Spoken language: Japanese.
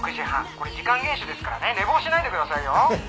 これ時間厳守ですからね寝坊しないでくださいよ。